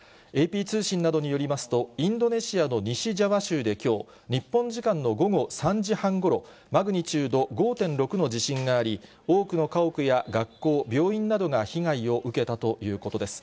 ＡＰ通信などによりますと、インドネシアの西ジャワ州できょう、日本時間の午後３時半ごろ、マグニチュード５．６の地震があり、多くの家屋や学校、病院などが被害を受けたということです。